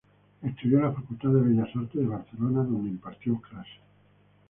Estudió en la Facultad de Bellas Artes de Barcelona, donde impartió clases.